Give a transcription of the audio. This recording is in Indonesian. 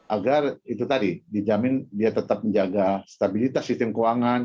agar itu tadi dijamin dia tetap menjaga stabilitas sistem keuangan